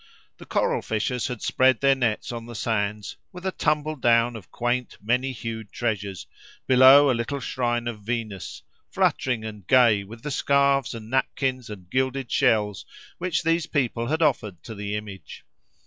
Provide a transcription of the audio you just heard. The coral fishers had spread their nets on the sands, with a tumble down of quaint, many hued treasures, below a little shrine of Venus, fluttering and gay with the scarves and napkins and gilded shells which these people had offered to the image.